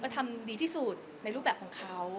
ทำดีที่สุดในรูปแบบของเขา